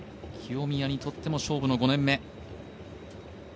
清宮にとっても勝負の５年目。